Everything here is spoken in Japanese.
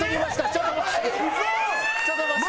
ちょっと待って。